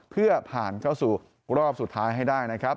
เพื่อผ่านเข้าสู่รอบสุดท้ายให้ได้นะครับ